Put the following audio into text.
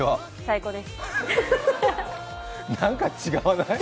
なんか違わない？